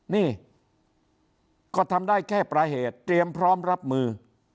นี่ก็ทำได้แค่ปลายเหตุเตรียมพร้อมรับมือ